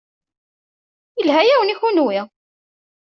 Yelha-yawen i kunwi.